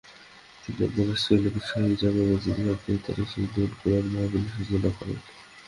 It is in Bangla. তিনি আন্দরকিল্লা শাহী জামে মসজিদে সাপ্তাহিক তাফসীরুল কুরআন মাহফিলের সূচনা করেন।